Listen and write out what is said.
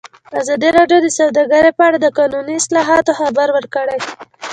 ازادي راډیو د سوداګري په اړه د قانوني اصلاحاتو خبر ورکړی.